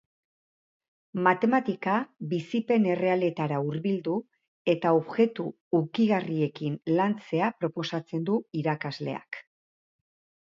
Matematika bizipen errealetara hurbildu eta objektu ukigarriekin lantzea proposatzen du irakasleak.